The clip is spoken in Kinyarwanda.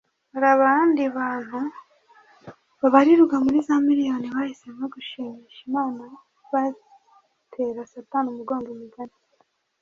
hari abandi bantu babarirwa muri za miriyoni bahisemo gushimisha imana batera satani umugongo imigani